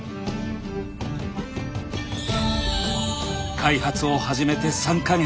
開発を始めて３か月。